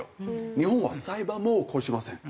日本は裁判も起こしません。